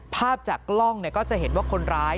ภาพจากกล้องก็จะเห็นว่าคนร้าย